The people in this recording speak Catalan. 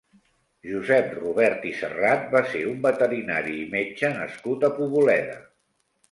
Josep Robert i Serrat va ser un veterinari i metge nascut a Poboleda.